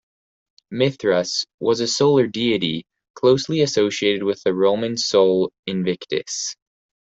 Mithras was a solar deity, closely associated with the Roman Sol Invictus.